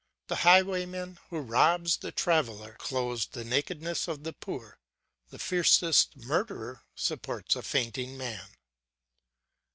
The highwayman who robs the traveller, clothes the nakedness of the poor; the fiercest murderer supports a fainting man.